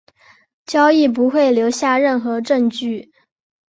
交易不会留下任何证据。